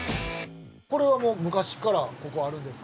これはもうむかしからここあるんですか？